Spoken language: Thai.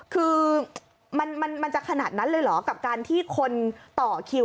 คือมันจะขนาดนั้นเลยเหรอกับการที่คนต่อคิว